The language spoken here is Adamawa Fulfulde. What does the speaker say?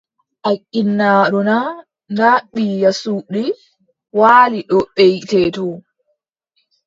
A ginnaaɗo naa, ndaa ɓiya suddi waali dow beʼitte too.